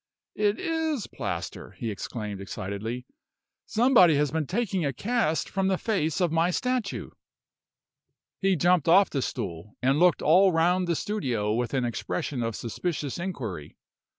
"It is plaster!" he exclaimed, excitedly. "Somebody has been taking a cast from the face of my statue!" He jumped off the stool, and looked all round the studio with an expression of suspicious inquiry.